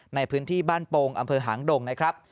ในพื้นที่บ้านโปงอำเภอหางดงนะครับ